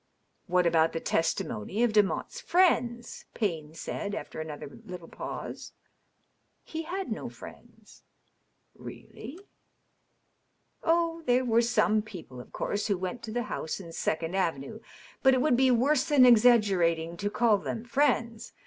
'* "What about the testimony of Demotte's friends?" Payne said, after another little pause. " He had no friends," "Really?" 542 DOUGLAS DUANE. " Oh, there were some people, of course, who went to the house in Second Avenue, but it would be worse than exaggerating to call them friends.